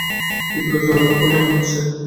তীব্র জ্বরের লক্ষণ মনে হচ্ছে।